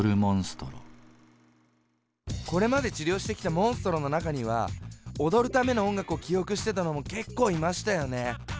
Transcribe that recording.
これまで治療してきたモンストロの中には踊るための音楽を記憶してたのも結構いましたよね。